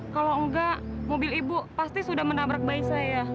kalau enggak mobil ibu pasti sudah menabrak bayi saya